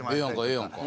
ええやんか。